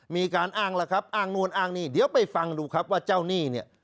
มีการอ้างแล้วครับอ้างโน่นอ้างนี่เดี๋ยวไปฟังดูครับว่าเจ้าหนี้เนี่ย